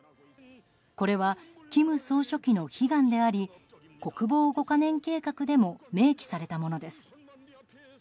これは、金総書記の悲願であり国防５か年計画でも明記されたものです。